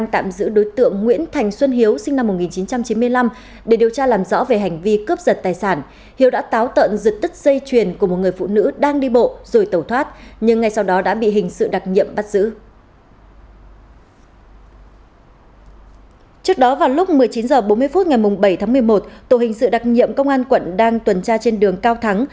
trước đó vào lúc một mươi chín h bốn mươi phút ngày bảy tháng một mươi một tổ hình sự đặc nhiệm công an quận đang tuần tra trên đường cao thắng